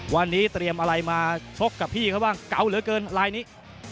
วันนี้เตรียมอะไรมาชกกับพี่เขาบ้างเก่าเหลือเกินลายนี้